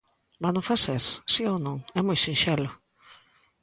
¿Vano facer?, ¿si ou non? É moi sinxelo.